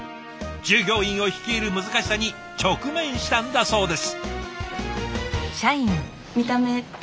従業員を率いる難しさに直面したんだそうです。